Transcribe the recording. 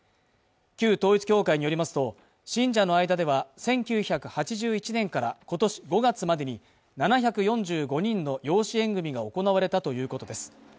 旧統一教会によりますと信者の間では１９８１年から今年５月までに７４５人の養子縁組が行われたということです